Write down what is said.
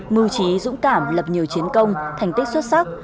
mưu trí dũng cảm lập nhiều chiến công thành tích xuất sắc